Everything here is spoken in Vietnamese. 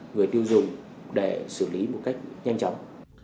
người tiêu dùng để xử lý một cách nhanh chóng